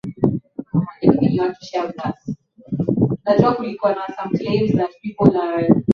vya kwanza vya dunia Bi Kidude si kwamba alikuwa na mvuto kwa sauti yake